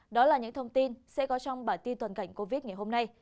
đó là những thông tin sẽ có trong bản tin toàn cảnh covid ngày hôm nay